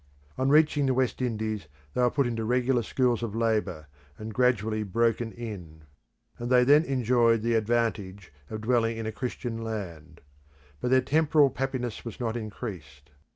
On reaching the West Indies they were put into regular schools of labour, and gradually broken in; and they then enjoyed the advantage of dwelling in a Christian land. But their temporal happiness was not increased.